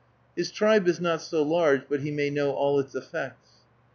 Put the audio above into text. His tribe is not so large but he may know all its effects.